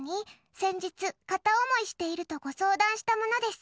先日、片思いしていると相談したものです。